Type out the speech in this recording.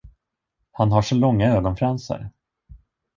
Han har så långa ögonfransar!